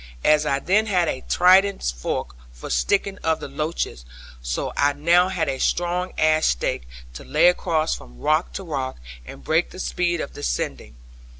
As I then had a trident fork, for sticking of the loaches, so I now had a strong ash stake, to lay across from rock to rock, and break the speed of descending.